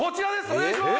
お願いします